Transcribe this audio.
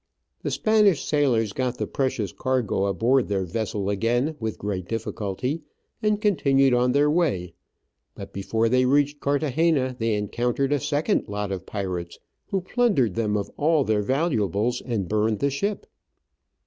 The Spanish sailors got the precious cargo aboard their vessel again with great difficulty, and continued on their way; but before they reached Carthagena they encountered a second lot of pirates, who plundered them of all their valu ables and burned the ship.